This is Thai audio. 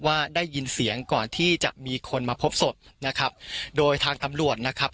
ว่าได้ยินเสียงก่อนที่จะมีคนมาพบศพนะครับโดยทางตำรวจนะครับ